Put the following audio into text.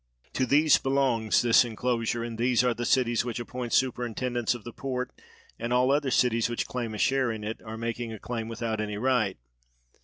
To these belongs this enclosure and these are the cities which appoint superintendents of the port; and all other cities which claim a share in it, are making a claim without any right.